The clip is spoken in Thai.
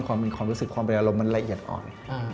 ความรู้สึกความเป็นอารมณ์มันละเอียดอ่อน